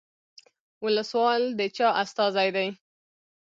ولسوال د چا استازی دی؟